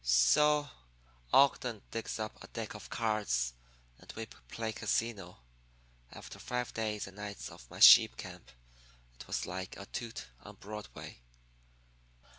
"So Ogden digs up a deck of cards, and we play casino. After five days and nights of my sheep camp it was like a toot on Broadway.